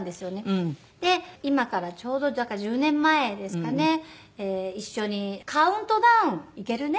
で今からちょうどだから１０年前ですかね「一緒にカウントダウン行けるね」